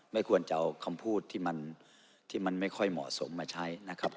ไม่ควรจะเอาคำพูดที่มันไม่ค่อยเหมาะสมมาใช้นะครับ